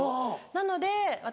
なので私